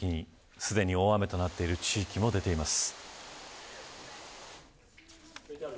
すでに大雨となっている地域も出ています。